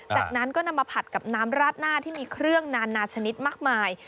จากนั้นก็นำมาผัดกับน้ำราดหน้าที่มีเครื่องนานนาชนิดมากมาย